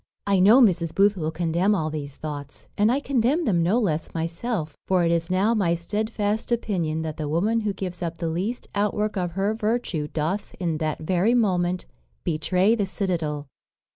"I know Mrs. Booth will condemn all these thoughts, and I condemn them no less myself; for it is now my stedfast opinion that the woman who gives up the least outwork of her virtue doth, in that very moment, betray the citadel.